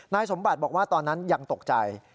สมบัติบอกว่าตอนนั้นยังตกใจ